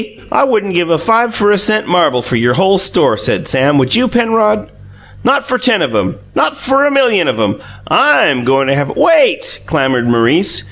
I wouldn't give a five for a cent marble for your whole store," said Sam. "Would you, Penrod?" "Not for ten of 'em; not for a million of 'em! I'm goin' to have " "Wait!" clamoured Maurice.